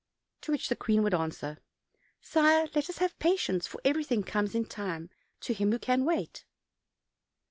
To which the queen would answer: "Sire, let us have patience; for everything comes in time to him who can wait."